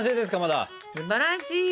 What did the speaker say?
すばらしい。